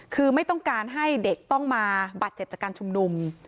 คือไม่ต้องการให้เด็กต้องมาบาดเจ็บจากการชุมนุม